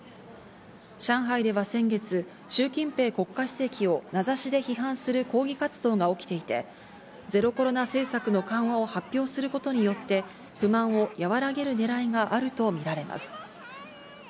上海では先月、シュウ・キンペイ国家主席を名指しで批判する抗議活動が起きていて、ゼロコロナ政策の緩和を発表することによって不満を和らげるねらいがあるとみられます。